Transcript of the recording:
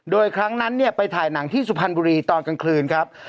โดยครั้งนั้นเนี่ยไปถ่ายหนังที่สุพรรณบุรีตอนกลางคืนครับ